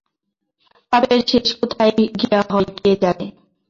পাপের শেষ কোথায় গিয়া হয় কে জানে!